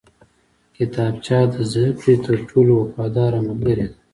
کتابچه د زده کړې تر ټولو وفاداره ملګرې ده